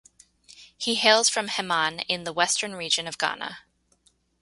He hails from Heman in the Western Region of Ghana.